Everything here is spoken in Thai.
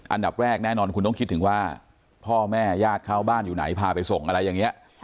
อันดับแรกแน่นอนคุณต้องคิดถึงว่าพ่อแม่ญาติเขาบ้านอยู่ไหนพาไปส่งอะไรอย่างนี้